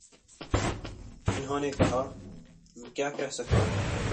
انہوں نے کہا: میں کیا کہہ سکتا ہوں۔